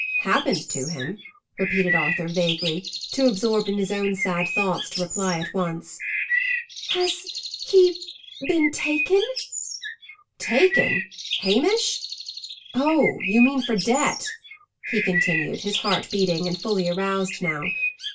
"Happened to him!" repeated Arthur, vaguely, too absorbed in his own sad thoughts to reply at once. "Has he been taken?" "Taken! Hamish? Oh, you mean for debt!" he continued, his heart beating, and fully aroused now.